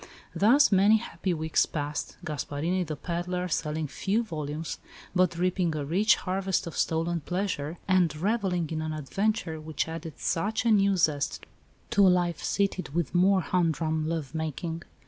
Thus many happy weeks passed, Gasparini, the pedlar, selling few volumes, but reaping a rich harvest of stolen pleasure, and revelling in an adventure which added such a new zest to a life sated with more humdrum love making.